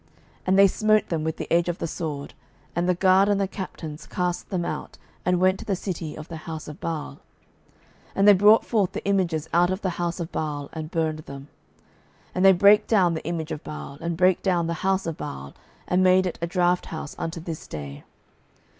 And they smote them with the edge of the sword; and the guard and the captains cast them out, and went to the city of the house of Baal. 12:010:026 And they brought forth the images out of the house of Baal, and burned them. 12:010:027 And they brake down the image of Baal, and brake down the house of Baal, and made it a draught house unto this day.